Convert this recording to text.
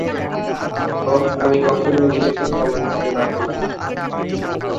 ওহ, আমি কখনই নিজেকে ক্ষমা করতে পারবোনা।